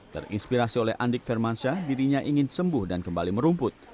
terinspirasi oleh andik firmansyah dirinya ingin sembuh dan kembali merumput